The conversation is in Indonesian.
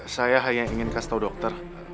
saya hanya ingin kasih tahu dokter